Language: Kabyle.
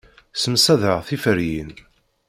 Ssemsadeɣ tiferyin.